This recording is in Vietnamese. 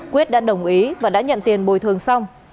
quyết đã đồng ý và đã nhận tiền bồi thường xong